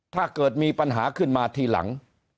เผื่อมีปัญหาขึ้นมาทีหลัง